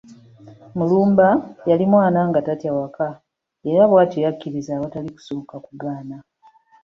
Mulumba yali mwana nga tatya waka era bwatyo yakkiriza awatali kusooka kugaana.